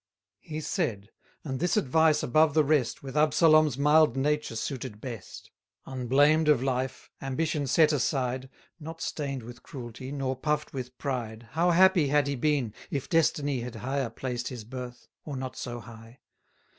He said, and this advice above the rest, With Absalom's mild nature suited best; Unblamed of life, ambition set aside, Not stain'd with cruelty, nor puff'd with pride, 480 How happy had he been, if destiny Had higher placed his birth, or not so high!